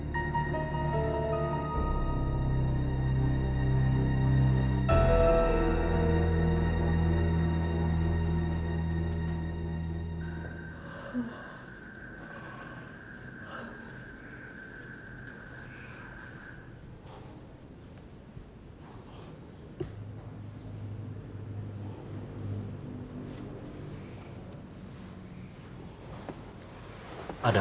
tentang apa yang terjadi